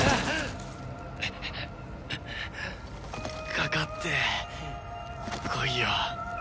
かかってこいよ。